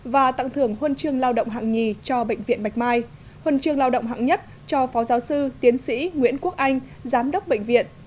và tặng thưởng huân chương lao động hạng nhì cho bệnh viện bạch mai huân chương lao động hạng nhất cho phó giáo sư tiến sĩ nguyễn quốc anh giám đốc bệnh viện